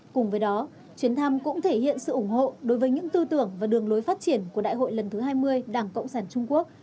cùng với đó chuyến thăm cũng thể hiện sự ủng hộ đối với những tư tưởng và đường lối phát triển của đại hội lần thứ hai mươi đảng cộng sản trung quốc